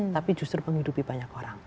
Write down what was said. tapi justru menghidupi banyak orang